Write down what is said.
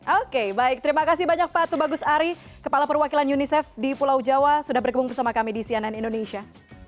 oke baik terima kasih banyak pak tubagus ari kepala perwakilan unicef di pulau jawa sudah bergabung bersama kami di cnn indonesia